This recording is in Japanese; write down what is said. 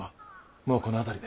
もうこの辺りで。